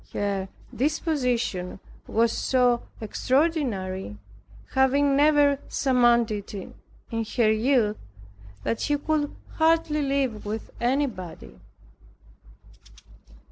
Her disposition was so extraordinary, having never surmounted it in her youth, that she could hardly live with anybody.